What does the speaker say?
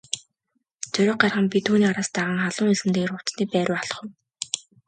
Зориг гарган би түүний араас даган халуун элсэн дээгүүр хувцасны байр руу алхав.